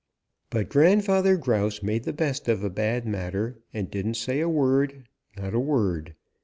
"But Grandfather Grouse made the best of a bad matter and didn't say a word, not a word.